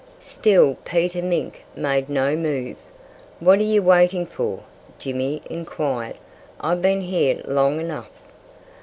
Still Peter Mink made no move. "What are you waiting for?" Jimmy inquired. "I've been here long enough."